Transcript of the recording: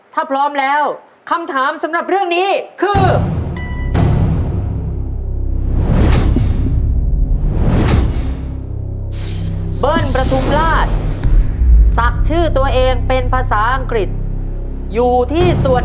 ถ้าพร้อมแล้วคำถามสำหรับเรื่องนี้คือ